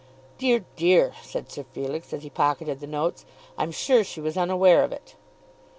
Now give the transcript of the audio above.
"Dear, dear;" said Sir Felix, as he pocketed the notes, "I'm sure she was unaware of it."